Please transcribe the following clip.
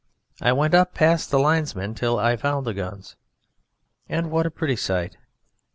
I went up past the linesmen till I found the guns. And what a pretty sight!